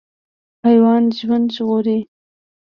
حیوان ژوند ژغوري.